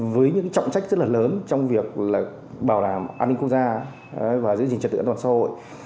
với những trọng trách rất là lớn trong việc bảo đảm an ninh quốc gia và giữ gìn trật tự an toàn xã hội